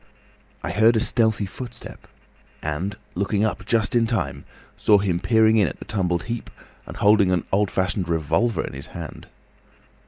I heard a stealthy footstep and, looking up just in time, saw him peering in at the tumbled heap and holding an old fashioned revolver in his hand.